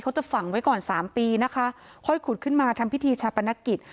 เขาจะฝังไว้ก่อนสามปีนะคะค่อยขุดขึ้นมาทำพิธีชาปนกิจ